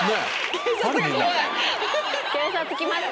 警察きました！